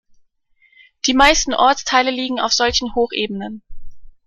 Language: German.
Die meisten Ortsteile liegen auf solchen Hochebenen.